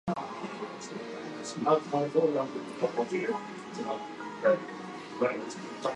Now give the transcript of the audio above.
Lenarduzzi played all eleven positions during his tenure with the team.